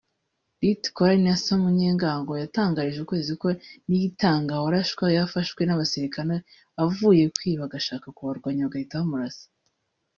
Lt Col Innocent Munyengango yatangarije Ukwezi ko Niyitanga warashwe yafashwe n’abasilikare avuye kwiba agashaka kubarwanya bagahita bamurasa